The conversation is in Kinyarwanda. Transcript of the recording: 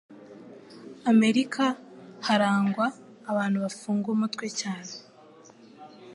America harangwa abantu bafunga umutwe cyane